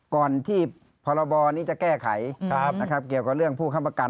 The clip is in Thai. ก่อนที่พรบนี้จะแก้ไขนะครับเกี่ยวกับเรื่องผู้ค้ำประกัน